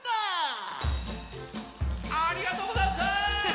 ありがとうござんす！